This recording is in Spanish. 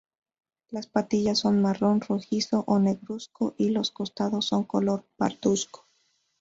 Las patillas son marrón rojizo o negruzco y los costados son color parduzco.